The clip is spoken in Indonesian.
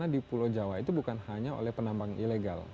dan di pulau jawa itu bukan hanya oleh penambang ilegal